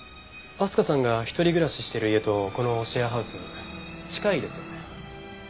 明日香さんが一人暮らししてる家とこのシェアハウス近いですよね。